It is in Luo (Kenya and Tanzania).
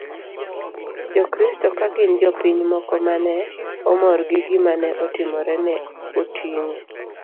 jokristo ka gi jopiny moko ma ne omor gi gimane otimore ne oting'e